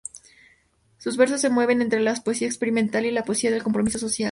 Sus versos se mueven entre la poesía experimental y la poesía del compromiso social.